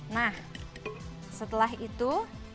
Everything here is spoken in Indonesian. nah setelah itu